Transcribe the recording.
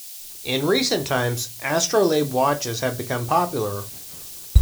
In recent times, astrolabe watches have become popular.